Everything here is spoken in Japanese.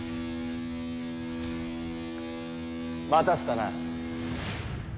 待たせたな。